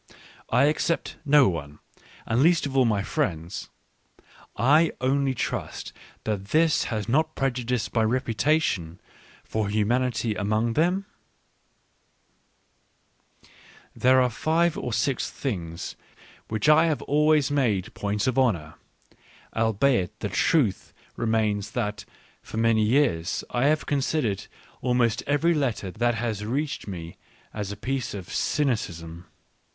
I except no one, and least of all my friends, — I only trust that this has not prejudiced my reputation for humanity among them ? There are five or six things which I have always made points of honour. Albeit, the truth remains that for many years I have considered almost every letter that has reached me as a piece of cynicism.